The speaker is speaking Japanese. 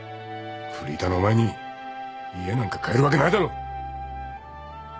フリーターのお前に家なんか買えるわけないだろ。